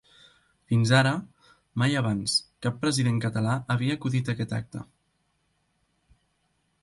Fins ara, mai abans cap president català havia acudit a aquest acte.